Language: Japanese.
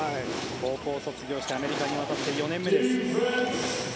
高校を卒業してアメリカに渡って４年目です。